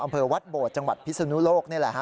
อำเภอวัดโบดจังหวัดพิษณุโลก